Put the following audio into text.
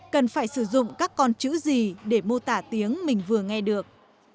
cần phải sử dụng các con chữ gì để mô tả tiếng mình vừa nghe được